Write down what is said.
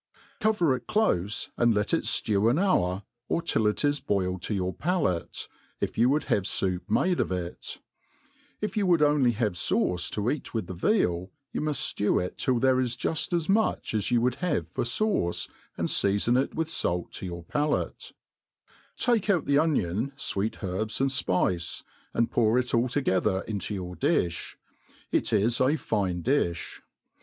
Cover it clofe, and let it (lew an hour, or till it is boil ed to your palate, if you would have foup made of it ; if you would only have fauce to eat with the veal, you muft ftew it till there is juft as much as you would have for fauce, and feafon it with fait to your palate; take out the onion, fweet herbs, and fpice, and pour it all together into your difh« It is a fine difh.